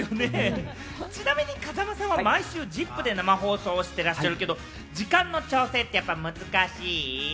ちなみに風間さんは毎週『ＺＩＰ！』で生放送してらっしゃるけれども時間の調整って難しい？